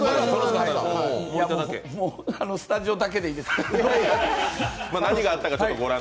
スタジオだけでいいです。